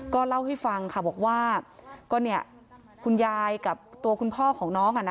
ก็เล่าให้ฟังค่ะบอกว่าคุณยายกับตัวคุณพ่อของน้อง